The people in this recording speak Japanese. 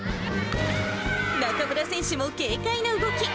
中村選手も軽快な動き。